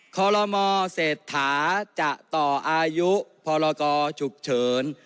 คอลโลมเศรษฐาจะต่ออายุพรกชุกเฉิน